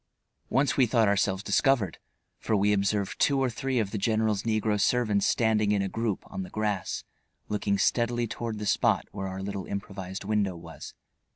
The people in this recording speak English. Once we thought ourselves discovered, for we observed two or three of the general's negro servants standing in a group on the grass looking steadily toward the spot where our little improvised window was.